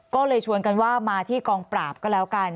ก็เลยชวนกันว่ามาที่กองปราบก็แล้วกัน